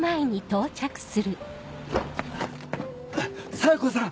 冴子さん！